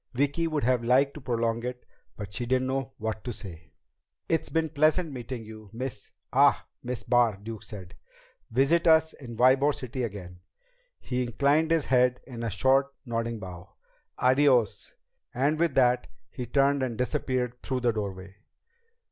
Vicki would have liked to prolong it, but she didn't know what to say. "It's been pleasant meeting you, Miss ah Miss Barr," Duke said. "Visit us in Ybor City again." He inclined his head in a short, nodding bow. "Adiós." And with that he turned and disappeared through the doorway.